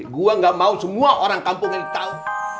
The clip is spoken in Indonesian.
gue gak mau semua orang kampung ini tahu